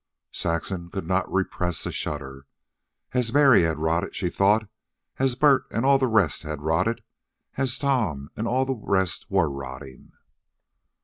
Saxon could not repress a shudder. As Mary had rotted, she thought; as Bert and all the rest had rotted; as Tom and all the rest were rotting.